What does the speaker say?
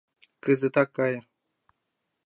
Кызытак кае.